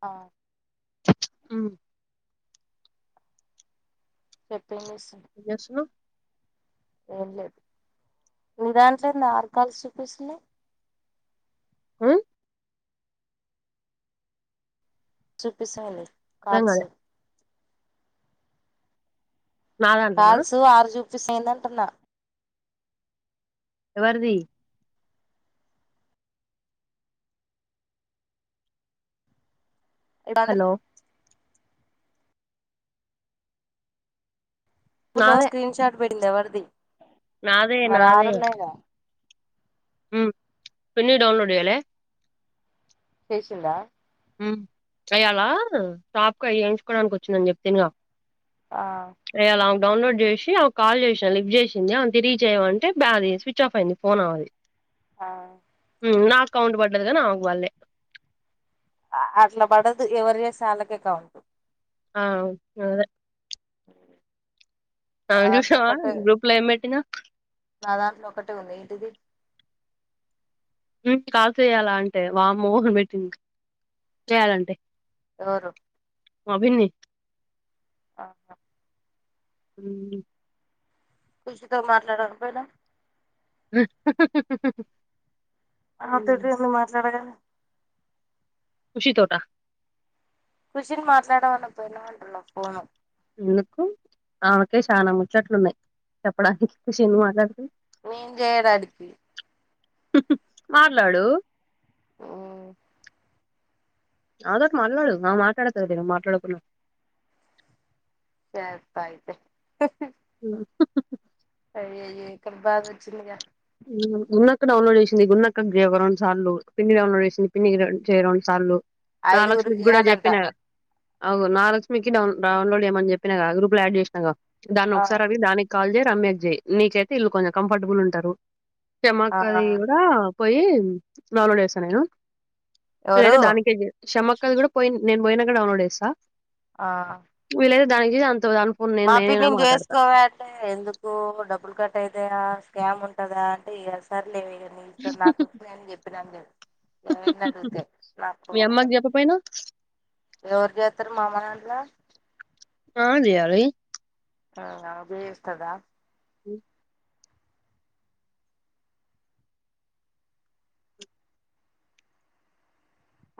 ఆ ఉ చెప్పేం చేస్తునవ్ ఏం చేస్తున్నావ్ ఏం లేదు నీ దాంట్ల ఏంది ఆర్ కాల్స్ జూపిస్తుంది ఆ చూపిస్తలే అర్థం కాలే కాల్సు నా దాంట్లోనా కాల్సు ఆరు చూపిస్తుంది ఏందంటున్న ఎవరిది ఇప్పుడు అందులో హలో ఇప్పులో నాదే స్క్రీన్ షాట్ పెడింది ఎవరిది నాదే మరి ఆరున్నయిగా ఉ పన్నీయి డౌన్లడ్ చేయాలే చేేషిన్దా ఉ అయ్యాలా షాప్ కు అయ ఎయించుకోడానికి వచ్చిందని చెప్తినిగా ఆ ఏ అలా డౌన్లోడ్ చేసి ఆమెకు కాల్ చేసిన లిఫ్ట్ చేసింది అంతే రీచ్ అయ్యవా అంటే అది స్విచ్ ఆఫ్ అయింది ఫోన్ అమది ఆ ఊ నాకు కౌంట్ పడ్డదు కనీ ఆమకు బళ్ళే ఆ అట్లా పడదు ఎవరు చేస్తే ఆళ్లకే కౌంట్ ఆ అదే ఆ నా దాంట్లో చూసినవా ఒకటే గ్రూప్ లో ఏం పెట్టిందో నా దాంట్లో ఒకటే ఉంది ఏంటిది కాల్ చేయాల అంటే వామ్మో అని పెట్టింది చేయాలంటే ఎవరు మా విన్నీ ఆ హు కృషితో మాట్లాడక పోయినావు ఆమె ఉమ్, తోటి ఎం మాట్లాడాలే నీ తోట కృషిన్ మాట్లాడ అనా పోయినవు ఫోను ఎందుకు ఆమెకే చానా ముచ్చట్లు ఉన్నాయి చెప్పడానికి ఖుషి ఎందుకు మాట్లాడుతాది నేను చేయడానికి మాట్లాడు ఓ అదోటి మాట్లాడు ఆమె మాట్లాడకదనే మాట్లాడకున్నా చేత్త అయితే అయ్య అయ్యో ఎక్కడి బాధ వచ్చిందిగా గున్నక్క డౌన్లోడ్ చేసింది గున్న అక్క ఒక రెండు సార్లు పిన్ని డౌన్లోడ్ చేసింది పిన్ని రే చేయి రెండు సార్లు మా లక్ష్మి ఐదుగురికి కూడా చేయాలంట చెప్పిన అగో నాగలక్ష్మికి డౌ డౌన్లోడ్ చేయమని చెప్పినా గా గ్రూపులో యాడ్ ఆడ్ చేసిన గా దాన్ని ఆ ఒకసారి అవి దానికి కాల్ చెయ్ రమ్యక్ చేయి నీకైతే ఇల్లు కొంచెం కంఫర్టబుల్ ఉంటారు చెమ్మ ఆ అక్క ది కూడా పోయి డౌన్లోడ్ చేస్తా నేను ఎవరు లేదా దానికే చే షమ్మఅక్కది కూడా నేను పోయి నేను పోయినంక డౌన్లోడ్ చేస్తా ఆ దానినికి [unintelligible] మా పిన్ని ని చేసుకోవే అంటే ఎందుకు డబ్బులు క అ అయితే ఆ స్కామ్ ఉంటందా అంటే ఇగ సరే లేవే నీ ఇష్టం నాకు వచ్చినయ్ అని చెప్పినా ఎవరిని అడిగితే నాకు మీ కోపం అమ్మకు చెప్ప వస్తది పోయినవ్ ఎవరు చేస్తారు మా అమ్మ దాంట్ల ఆన్ చెయ్యాలి ఆ అజయ్ వస్తాడా ఊ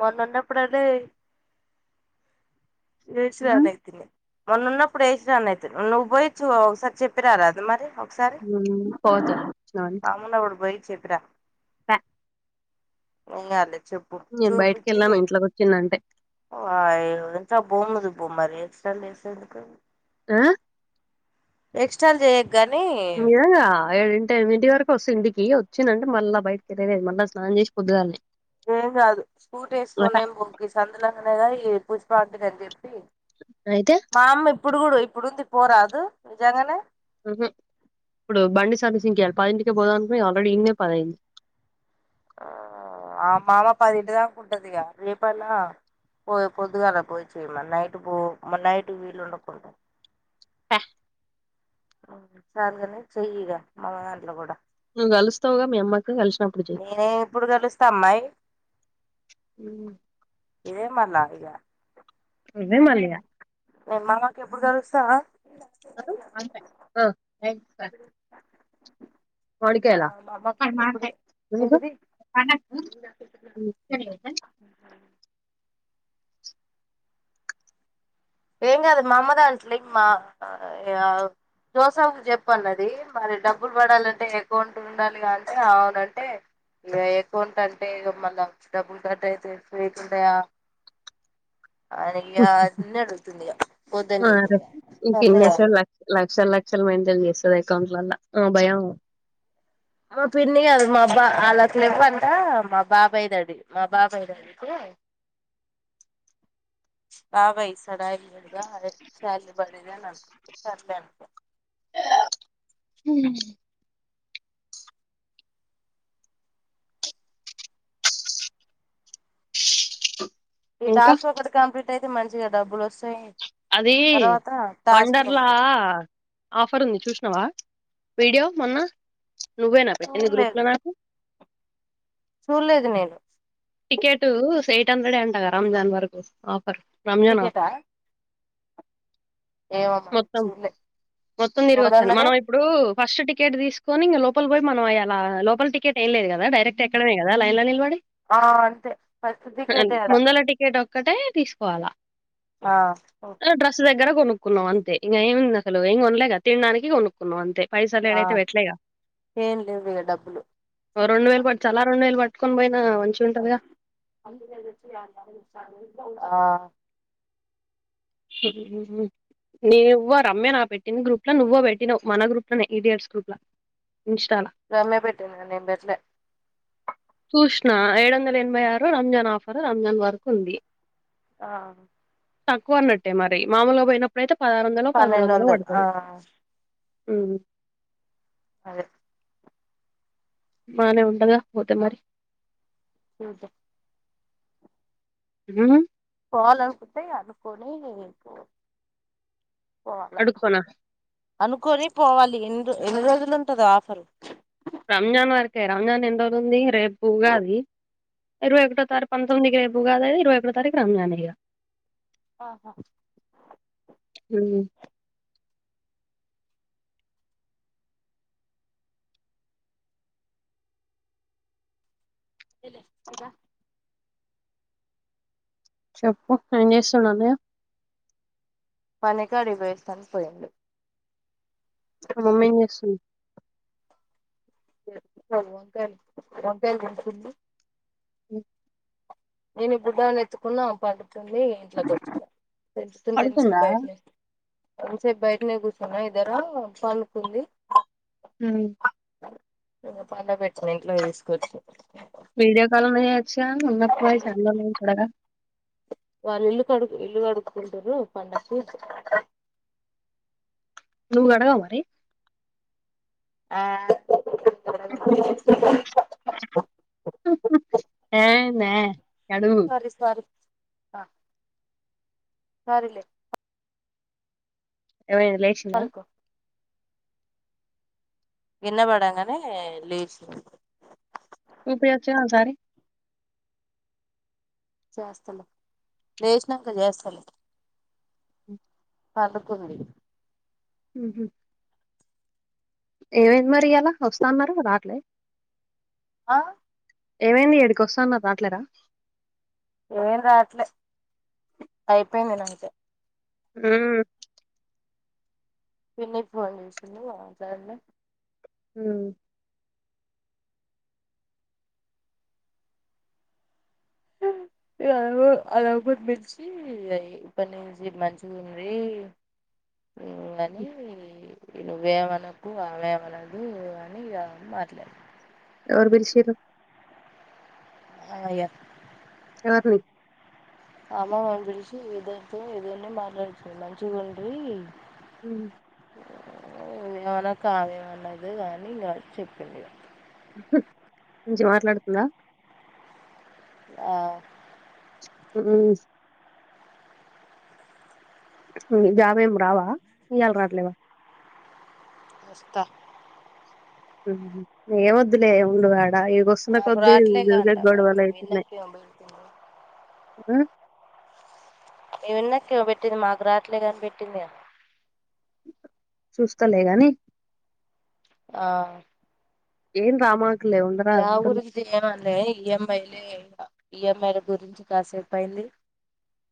మొన్న ఉన్నప్పుడు అది ఏసి రా నైతిని మొన్న ఉన్నప్పుడు వేసి రాను ఐతిని నువ్వు పోయి చూ ఒకసారి చెప్పి రా రాదు మరి హు పోతా మామున్నప్పుడు పోయి చెప్పిరా స ఎం గాలేదు చెప్పు బయటికి చూపించి వెళ్ళాను ఇంట్లోకి వచ్చిందంటే ఆ యో ఎంత భూములు ఓ మరి ఎక్స్ట్రాలు చేయసుడు ఎందుకు హు ఎక్స్ట్రాలు చేయకు గానీ [unintelligible] ఇంటి వరకు వస్తా ఇంటికి వచ్చినా అంటే మళ్ళ బయటకితిరిగి మళ్ళా స్నానం చేసి పొద్దుగాల్లే ఏం కాదు స్కూటీ వేసుకోనైన పోకు గి సందు లంగానేగా ఈ పుష్పా ఆంటీ దగ్గరికి అయితే ఇప్పుడు కూడా ఇప్పుడు ఉంది పోరాదు నిజంగానే ఊ హమ్ ఇప్పుడు బండి సర్వి సింగ్ కి పదింటికి పోదా అనుకుని ఆల్రెడీ ఇడనే పదైంది అ మామ్మ పదింటిదాక ఉంటదిగా రే పైన పోయి పొదుగాల పోయి చెయమను నైట్ పో నైట్ వీలు ఉండ కుండ చాలుగానే చెయ్యి ఇగ మన దాంట్లో కూడా నువ్వు కలుస్తువ్వు గా మీ అమ్మ ని నేనేమి ఎప్పుడు కలుస్తా అమ్మాయి ఇదే మర్నాడు ఇగా విేమాలయ [unintelligible] మీ మామ్మ కి ఎప్పుడు కలుస్తావా ఆ మామ్మ ఎప్పుడు ఏంటిది వకండద [unintelligible] ఏమ్ కాదు మా అమ్మ దాంట్లో జోసఫ్ కు చెప్పు అన్న అది మరి డబ్బులు పడాలంటే అకౌంట్ ఉండాలిగా అంటే అవునంటే ఇక అకౌంట్ అంటే ఇక మనం డబ్బులు కట్ అయితే ఫేక్ ఉంటాయ అ నయ్య అన్నడు [unintelligible] మారే ఇంకేం సర్లే అని చేస్తడు లక్ష లక్షలు మెయింటైన్ చేస్తాడు అకౌంట్ లల్లో ఆ భయం మా పిన్ని కాదు మా భా ఆళ్లకి లేవ్వంట మా బాబాయ్ది అది మా బాబాయ్ ది అయితే బభై సడ ఏడుగా [unintelligible] శాలి బడిదే అంతకు చర్లి అంత [unintelligible] హమ్ ఈ ఇంకా టాస్క్ ఒకటి కంప్లీట్ అయితే మంచిగా డబ్బులు వస్తాయి అది తర్వాత టాస్క్ వండర్లా నుంచి ఆఫర్ ఉంది చూసినవా వీడియో మొన్న నువ్వే నా పెట్టింది గ్రూప్ లో చూడలేదు నాకు చూడలేదు నేను టికెట్ ఎయిట్ హండ్రెడ్ అంటగా రంజాన్ వరకు ఆఫర్ రంజాన్ టికెటా ఆఫర్ ఏమో మరి మొత్తం చూడలే మొత్తం తిరిగి వచ్చాను ఎవరన్నారు మనం ఇప్పుడు ఫస్ట్ టి టికెట్ తీసుకొని ఇంగ లోపల్ పోయి మనం అలా లోపల టికెట్ ఏం లేదు కదా డైరక్ట్ ఎక్కడమే కదా లైన్లో నిలబడి ఆ అంతే ఫస్ట్ టికెట్ ఆడ ముందల టికెట్ ఒక్కటే తీసుకోవాలా ఆ ఆ! డ్రెస్ దగ్గర కొనుక్కున్నాం అంతే ఇంగ ఏమింది అసలు ఏం కొనలేక తినడానికి కొనుక్కున్నాం అంతే పైసలు ఆ ఏడైతే పెట్లేగా ఏం లేవు ఇగ డబ్బులు ఓ రెండు వేలు పట్ తలా రెండు వేలు పటుకొని పోయిన ఆ నువ్వో రమ్య నా పెట్టిన గ్రూప్లో నువ్వో పెట్టినావు మన గ్రూప్లోనే ఈడియట్స్ గ్రూప్లా రమ్య పెట్టింద నేం పెట్లే కృష్ణ ఏడు వందల ఎనభై ఆరు రంజాన్ ఆఫర్ రంజాన్ వరకు ఉంది ఆ తక్కువ అన్నట్టే మరి మామూలుగా పోయినప్పుడయితే పదహారు వందలో పదమూడు పన్నెండు వందలో వందలు ఆ పడుతది ఉం అదే బానే ఉంటదా పోతే మరి నాతో ఉం పోవలనుకుంటే అనుకోని పో పోవాలా అడుక్కోనా అనుకొని పోవాలి ఎన్ని ఎన్ని రోజులు ఉంటుంది ఆఫరు రంజాన్ వరకే రంజాన్ ఎంతవుతుంది రేపు ఉగాది ఇరవై ఒకటో తారీ పంతొమ్మిదికి రేపు ఉగాది అది ఇరవై ఒకటో తారీఖు రాంజాన్ ఇగ ఆహా ఉమ్ ఎళ్ళె నుద చెప్పు ఏం చేస్తున్నాడు అన్నయ్య పనకి కాడికి పోయి వస్తానని పోయిండు అమ్మమ్మ ఏం జేస్తుంది. చ వంకాయలు వంకాయలు వండుతుంది అ నే ఇప్పుటి దా నెత్తుకున్నా అ పాట ఉత్తునే ఇంట్లో కూర్చు తెలుస్ టేన్ష్న్ పడుకుందా బయట్నే ఇంతసేపు బయట్నే కూర్చున్నా ఇదర పనుకుంది హ్మ్ ఇంక పండ బెట్టిన ఇంట్లో తీసుకొచ్చి విడియో కాల్ అన్న చెయ్యచ్చ ఉన్న పోయిస్ సెడ్ లోనే చూడగ వాళ్ళు ఇల్లు కడుగు ఇల్లు కడుకుంటుర్రు పండక్కి నువ్వు కడగవ మరి ఆ కడగను ఏ మె కడుగు అ సరిలే ఏమైనా లేసింద పండుకో కింద పడంగానే లేచింది ఇప్పుడే వచ్చాం ఒసారి చేస్తలే లేచినంక చేస్తలే పడుకుంది మ్ హు ఏమైంది మరి ఇయళ వస్తా అన్నారు రాట్లే ఆ ఏమైంది ఇడికి వస్తాన్నరు రాట్లేరా ఏం రాట్లే అయిపోయింది నిన్న అంతే ఉమ్ నిన్నే ఫోన్ చేసింది మాట్లడిన హ్మ్ ఇలాగో ఆ లోపల పిలిచి ఇప్పటినుంచి మంచిగుంది ఇంగ అని నువ్వేమనకు ఆమె మనదు అని ఇగ పర్లేదు ఎవరు పిలిచిర్రు హ ఇగ ఆకువి అమ్మమ్మ పిలిచి ఇద్దరితో ఇద్దరిని మాట్లాడించికొని మంచిగా ఉండి మ్మ్ హు ఏవన్నా కానివ్వండి అయితే గాని ఇంగ చెప్పింది ఇగ మంచిగ మాట్లాడుతుంద ఆ మ్మ్ జాబ్ ఏం రావా ఇయ్యలా రాట్లేవా ఇస్తా ఉమ్ హు ఏం వద్దులే ఉండు వా దా ఇగొస్తున్నా మాకు కొద్దీ రాట్లేగా ఊకూకే అంట మరి మీ గొడవలు అవుతున్నాయి విన్నకేమో ఆ ఏ విన్నాక ఏమో పెట్టింది మాకు రాట్లే అని పెట్టింది ఏమో చూస్తలే గాని ఆ ఏన్ రామా యావుఊరిది ఏంఅడ్లె ఈఎం ఐలే ఇలా ఈఎంఐల గురించి కాసేపు అయింది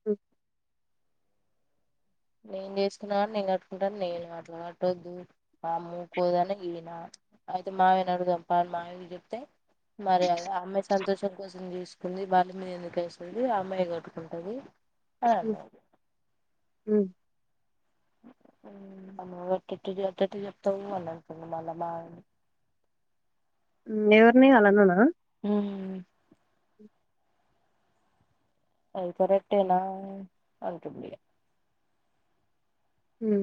హ్మ్ నేను చేసుకున్నా నేను కట్టుకుంటాను నేను అట్లా కట్టొద్దు మా అమ్మ ఉకొదు ఈనా అయితే మయ్యను అడుగుదాం ప అని మాయనకి చెప్తే మరయాద అమ్మె సంతోషం కోసం చేసుకుంది వాని మీద ఎందుకు వేస్తుంది ఆ అమ్మాయి కట్టుకుంటుంది హ్మ్ ఉ ఉ మనం ఎటట్ ఎటటిటు చెప్తావు అని అంటున్నా మళ్ళ మా ఉ ఎవర్ని వాళ్ల అన్నానా ఉ అది కరెక్టేనా అంటుంది ఇగ ఉ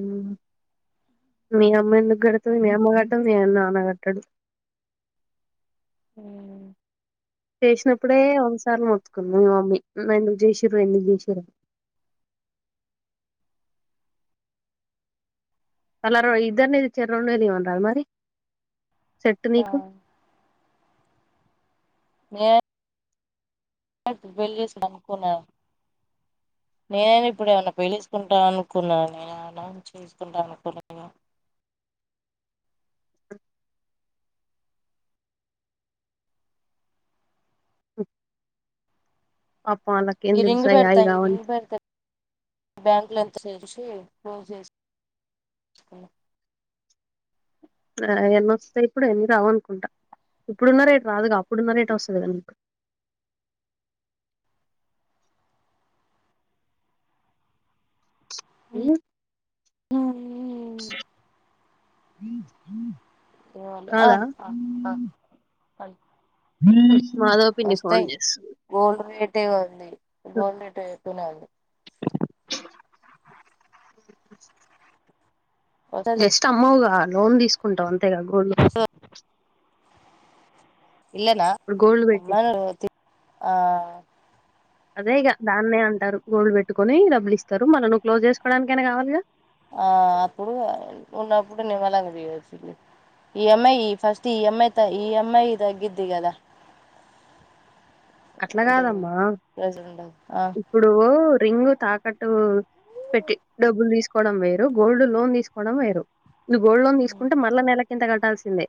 మీ అమ్మ ఎందుకు కడుతది మీ అమ్మ కట్టదు మీ నాన్న కట్టాడు ఉ చేసినప్పుడే ఒకసారి మొత్తుకుంది మా మమ్మీ ఎందుకు చేసిర్రు ఎందుకు చేసిర్రు అని అలా రో ఇద్దరినిది చరి రెండే తీయమన్నారా మరి సెట్టు ఆ నీకు ఏ క బెలిస్ అనుకోలే నేనైనా ఇప్పుడు ఏమన్నా పెళ్లిసుకుంటా అనుకున్నానా చేసుకుంటాన అనుకోలేదు పాపం వాళ్ళకి ఏం తెలుసు ఇరింగ్ అయి బెర్త అయి కావని ఇరింగ్ బెర్తది బ్యాంక్లో ఎంత చేసి ఫోన్ చేసి ఆ ఎన్నొస్తాయి ఇప్పుడు ఎన్ని రావు అనుకుంటా ఇప్పుడున్న రేట్ రాదుగా అప్పుడున్న రేట్ వస్తుంది కదా మీీకు ఉ పోవాలి అ కాదా ఆ మాధవ పిన్ని ఫోన్ చేస్తుంది అే ఉంది బోర్నెట్ అయికునే ఉంది ఉ వస్తది జస్ట్ అమ్మవుగా లోన్ తీసుకుంటావు అంతేగా గోల్డ్ వస్తది ఇల్నా ఇప్పుడు గోల్డ్ పెట్టి అమ్మ ఆ అదే ఇగ దాన్నే అంటారు గోల్డ్ పెట్టుకోని డబ్బులు ఇస్తారు మల్ల నువ్వు క్లోజ్ చేసుకోవడానికైనా కావాలిగా ఆ అప్పుడు ఉన్నప్పుడు నిమ్మలంగా చేయొచ్చు ఈ అమ్యి ఈ ఫస్ట్ ఈ అమ్యి త ఈ అమ్యి తగ్గదిి కదా అట్లా ఇదో కాదమ్మా ప్రెజెంట్ ఆ ఇప్పుడు రింగు తాకట్టు పెట్టి డబ్బులు తీసుకోవడం వేరు గోల్డ్ లోన్ తీసుకోవడం వేరు నువ్వు గోల్డ్ లోన్ తీసుకుంటే మల్ల నెలకింత కట్టాల్సిందే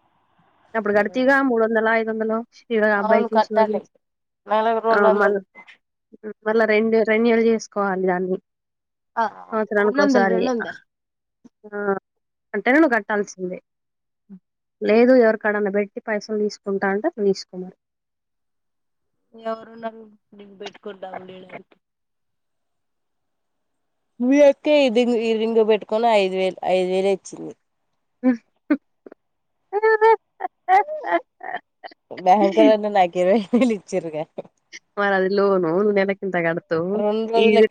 అప్పుడు గడితీవి గా మూడు వందల ఐదు వందలు శివ అవును అబ్బాయికి పడి కట్టాలి నెలకు ఆ రెండు వందలు మళ్ళా రెండు రెండు రెనోవల్ చేసుకోవాలి దాన్ని ఆ రెండు సంవత్సరానికి వందలు ఒకసారి రెండు వందలు ఆ అంట నువు కట్టాల్సిందే లేదు ఎవరికడన్నా పెట్టి పైసలు తీసుకుంటా అంటే అ తీసుకుమరు ఎవరు ఉనారు దీని పెట్టుకొని డబ్బులు ఇవ్వడానికి మీ అక్క ఈ రింగ్ పెట్టుకని ఐదు వేలు ఐదు వేలే ఇచ్చింది బ్యాంక్ లో నాకు ఇరవయి వేలు ఇచ్చిరగ్గా మరి అది లోను నువ్వు నెలకింత కడుతవు రెండు రోజులకి